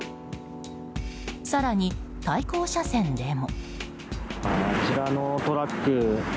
更に、対向車線でも。